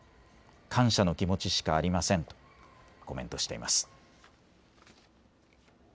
感謝の気持ちしかありませんとコメントしています。